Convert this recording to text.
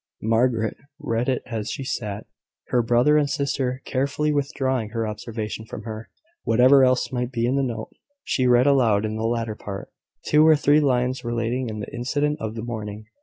Margaret read it as she sat, her brother and sister carefully withdrawing their observation from her. Whatever else might be in the note, she read aloud the latter part two or three lines relating to the incident of the morning.